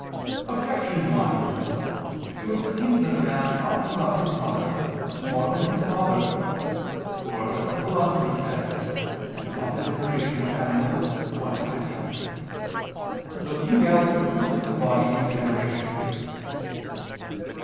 Objection 1: It would seem that a man ought to love his mother more than his father. For, as the Philosopher says (De Gener. Animal. i, 20), "the female produces the body in generation."